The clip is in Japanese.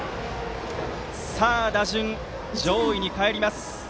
打順、上位にかえります。